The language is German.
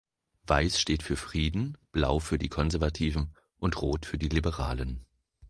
Weiß steht für Frieden, Blau für die Konservativen und Rot für die Liberalen.